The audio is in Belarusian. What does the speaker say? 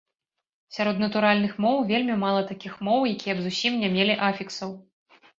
Сярод натуральных моў вельмі мала такіх моў, якія б зусім не мелі афіксаў.